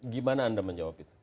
gimana anda menjawab itu